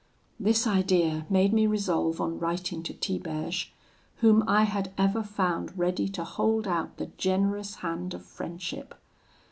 "This idea made me resolve on writing to Tiberge, whom I had ever found ready to hold out the generous hand of friendship.